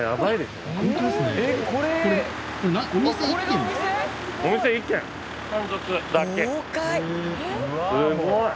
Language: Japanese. すごい！